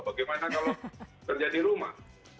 bagaimana kalau kerja di rumah